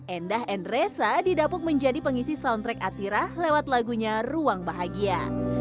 endah endresa didapuk menjadi pengisi soundtrack atirah lewat lagunya ruang bahagia